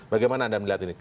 bagaimana anda melihat ini